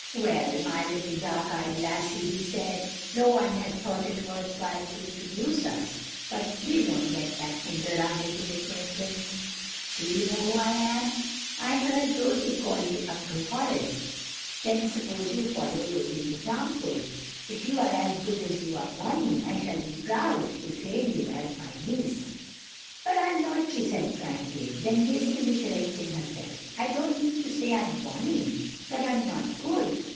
"Well, my little dark eyed lassie," he said, "no one has thought it worth while to introduce us, but we won't let that hinder our making acquaintance. Do you know who I am?" "I heard Rosie call you Uncle Horace." "Then suppose you follow Rosie's example. If you are as good as you are bonny, I shall be proud to claim you as my niece." "But I'm not," she said frankly. Then hastily correcting herself, "I don't mean to say I'm bonny, but I'm not good.